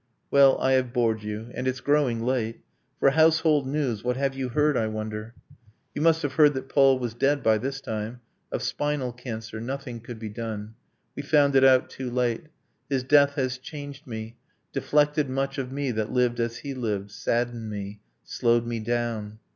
Well, I have bored you. And it's growing late. For household news what have you heard, I wonder? You must have heard that Paul was dead, by this time Of spinal cancer. Nothing could be done We found it out too late. His death has changed me, Deflected much of me that lived as he lived, Saddened me, slowed me down.